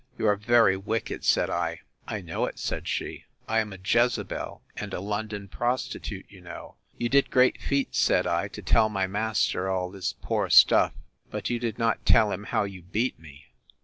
—You are very wicked, said I. I know it, said she; I am a Jezebel, and a London prostitute, you know. You did great feats, said I, to tell my master all this poor stuff; but you did not tell him how you beat me.